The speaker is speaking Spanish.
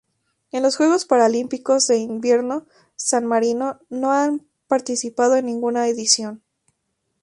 En los Juegos Paralímpicos de Invierno San Marino no ha participado en ninguna edición.